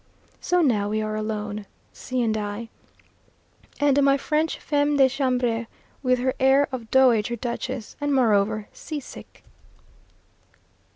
So now we are alone, C n and I, and my French femme de chambre, with her air of Dowager Duchess, and moreover sea sick.